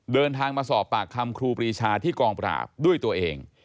เดินทางมาสอบปากคำครูปรีชาที่กองปราบด้วยตัวเอง